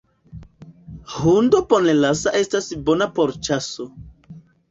Hundo bonrasa estas bona por ĉaso.